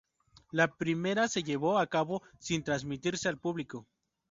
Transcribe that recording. La primera se llevó a cabo sin transmitirse al público.